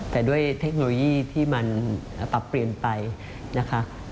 แต่ด้วยเทคโนโลยีที่มันปรับเปลี่ยนไปนะคะ